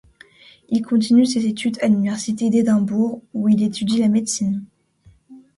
Il continue ses études à l'université d'Édimbourg où il étudie la médecine.